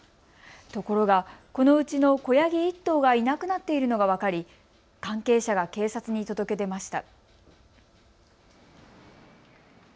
ところが、このうちの子ヤギ１頭がいなくなっているのが分かり関係者が警察に届け出ました。